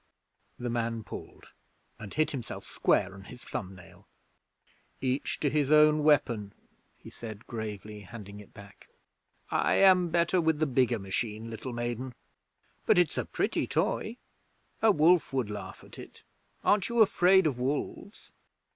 The man pulled, and hit himself square on his thumb nail. 'Each to his own weapon,' he said gravely, handing it back. 'I am better with the bigger machine, little maiden. But it's a pretty toy. A wolf would laugh at it. Aren't you afraid of wolves?'